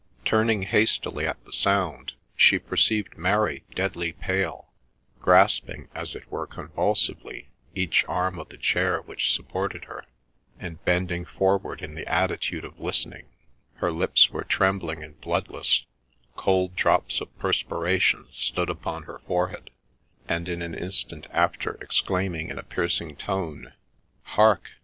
' Turning hastily at the sound, she perceived Mary deadly pale, grasping, as it were convulsively, each arm of the chair which supported her, and bending forward in the attitude of listening ; her lips were trembling and bloodless, cold drops of perspiration stood upon her forehead, and in an instant after, exclaiming in a piercing tone, " Hark